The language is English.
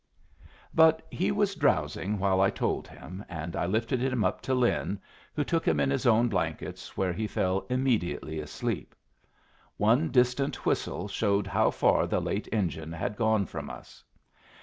But he was drowsing while I told him; and I lifted him up to Lin, who took him in his own blankets, where he fell immediately asleep. One distant whistle showed how far the late engine had gone from us.